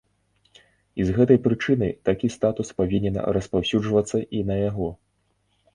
І з гэтай прычыны такі статус павінен распаўсюджвацца і на яго.